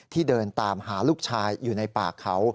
เดินตามหาลูกชายอยู่ในป่าเขา